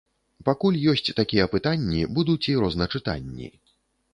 Пакуль ёсць такія пытанні, будуць і розначытанні.